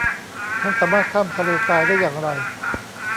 ฉันสามารถข้ามทะเลทรายได้อย่างไร